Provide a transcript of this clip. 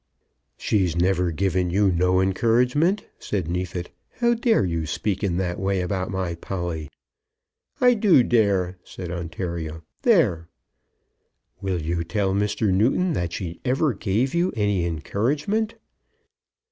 "She's never given you no encouragement," said Neefit. "How dare you speak in that way about my Polly?" "I do dare," said Ontario. "There!" "Will you tell Mr. Newton that she ever gave you any encouragement?"